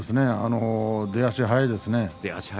出足が早いですね。